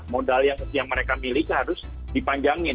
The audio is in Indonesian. modal yang mereka miliki harus dipanjangin